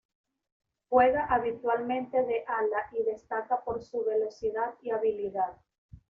Juega habitualmente de ala y destaca por su velocidad y habilidad.